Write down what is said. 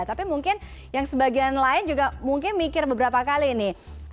tapi mungkin yang sebagian lain juga mungkin mikir beberapa kali nih